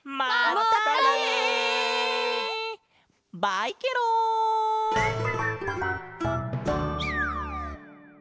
バイケロン！